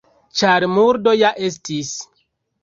Ĉar murdo ja estis.